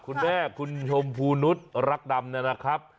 คุณแม่คุณชมพูนุษย์รักดำเนี่ยนะครับ